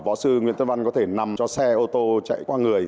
võ sư nguyễn tân văn có thể nằm cho xe ô tô chạy qua người